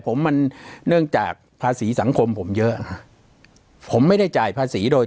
ผมมันเนื่องจากภาษีสังคมผมเยอะนะผมไม่ได้จ่ายภาษีโดย